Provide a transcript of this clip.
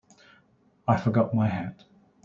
I forgot my hat.